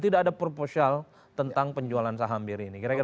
tidak ada proposal tentang penjualan saham diri ini